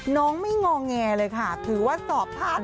น้องไม่งอแงเลยค่ะถือว่าสอบพลาด